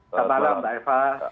selamat malam pak eva